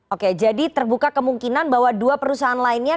oke jadi terbuka kemungkinan bahwa dua perusahaan lainnya